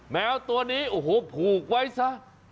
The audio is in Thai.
แมวตัวนี้โอ้โหผูกไว้ซะ